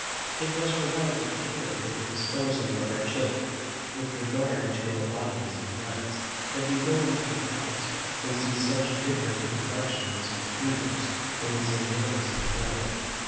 It is for want of care in the disposing of our children, with regard to our bodies and minds, that we go into a house and see such different complexions and humours in the same race and family.